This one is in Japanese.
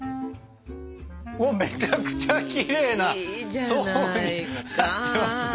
おっめちゃくちゃきれいな層になってますね。